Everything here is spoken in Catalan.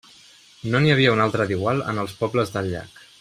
No n'hi havia un altre d'igual en els pobles del llac.